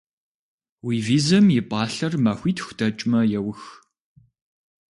Уи визэм и пӏалъэр махуитху дэкӏмэ еух.